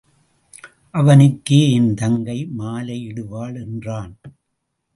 அவனுக்கே என் தங்கை மாலை இடுவாள் என்றான்.